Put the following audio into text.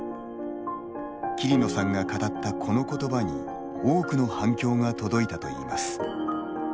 桐野さんが語ったこの言葉に多くの反響が届いたといいます。